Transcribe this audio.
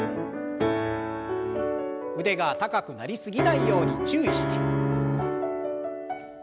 腕が高くなり過ぎないように注意して。